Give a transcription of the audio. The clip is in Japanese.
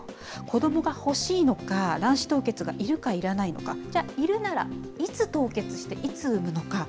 子どもが欲しいのか、卵子凍結がいるかいらないのか、じゃあ、いるならいつ凍結して、いつ産むのか。